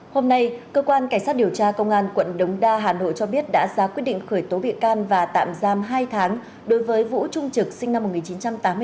hôm nay cơ quan cảnh sát điều tra công an quận đống đa hà nội cho biết đã ra quyết định khởi tố bị can và tạm giam hai tháng đối với vũ trung trực sinh năm một nghìn chín trăm tám mươi bốn